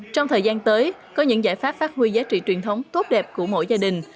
trong thời gian tới có những giải pháp phát huy giá trị truyền thống tốt đẹp của mỗi gia đình